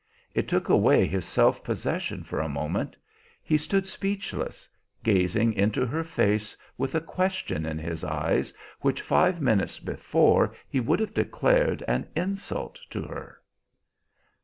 It took away his self possession for a moment; he stood speechless, gazing into her face with a question in his eyes which five minutes before he would have declared an insult to her.